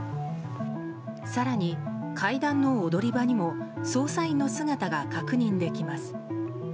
更に、階段の踊り場にも捜査員の姿が確認できます。